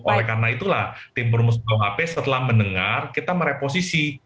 oleh karena itulah tim purmus bawang ap setelah mendengar kita mereposisi